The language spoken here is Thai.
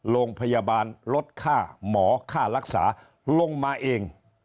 โรงพยาบาลลดค่าหมอค่ารักษาลงมาเอง